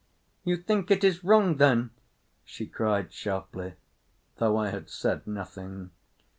"You think it is wrong, then?" she cried sharply, though I had said nothing.